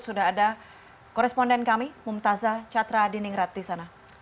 sudah ada koresponden kami mumtazah catra diningrat di sana